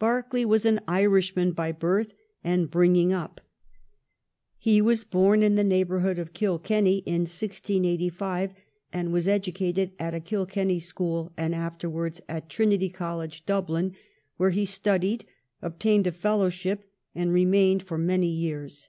Berkeley was an Irishman by birth and bringing up. He was born in the neighbourhood of Kilkenny, in 1685, and was educated at a Kilkenny school, and afterwards at Trinity CoUege, Dublin, where he studied, obtained a fellowship, and remained for many years.